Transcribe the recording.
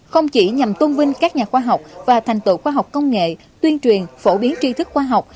không chỉ nhằm tôn vinh các nhà khoa học và thành tựu khoa học công nghệ tuyên truyền phổ biến tri thức khoa học